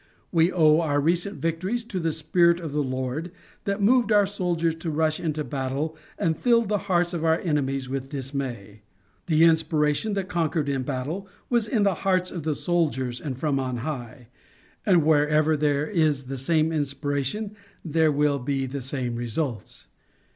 We owe our recent victories to the spirit of the Lord that moved our soldiers to rush into battle and filled the heart of our enemies with dismay. The inspiration that conquered in battle was in the hearts of the soldiers and from on high; and wherever there is the same inspiration there will be the same results.